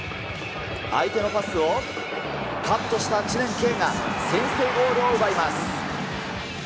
相手のパスを、カットした知念慶が、先制ゴールを奪います。